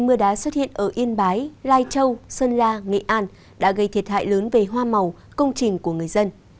mưa đá xuất hiện ở yên bái lai châu sơn la nghệ an đã gây thiệt hại lớn về hoa màu công trình của người dân